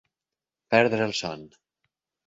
Perdre el son.